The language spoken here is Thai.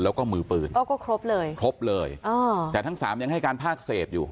แล้วก็มือปืนอ๋อก็ครบเลยครบเลยอ๋อแต่ทั้งสามยังให้การภาคเศษอยู่